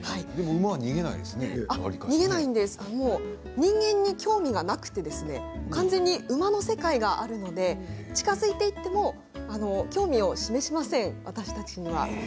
人間に興味がなくて完全に馬の世界があるので近づいていっても興味を示しません、私たちには。